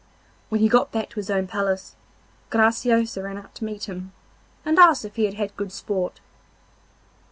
When he got back to his own palace Graciosa ran out to meet him, and asked if he had had good sport.